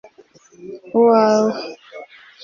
uwawe (x